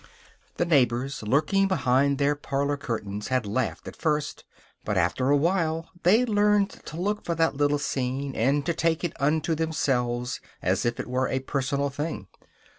The neighbors, lurking behind their parlor curtains, had laughed at first. But after a while they learned to look for that little scene, and to take it unto themselves, as if it were a personal thing.